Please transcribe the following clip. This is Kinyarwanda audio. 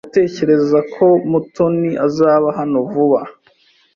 Ndatekereza ko Mutoni azaba hano vuba.